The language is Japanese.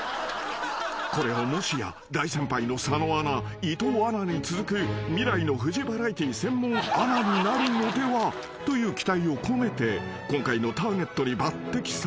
［これはもしや大先輩の佐野アナ伊藤アナに続く未来のフジバラエティー専門アナになるのではという期待を込めて今回のターゲットに抜てきされたのだ］